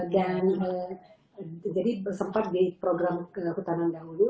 dan jadi sempat di program kehutanan dahulu